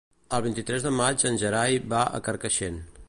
El vint-i-tres de maig en Gerai va a Carcaixent.